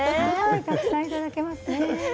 たくさんいただけますね。